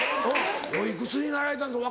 お幾つになられたんですか？